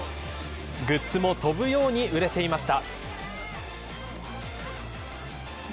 グッズも飛ぶように売れていました。